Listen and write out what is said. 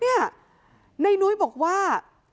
เนี่ยในนุ้ยบอกว่า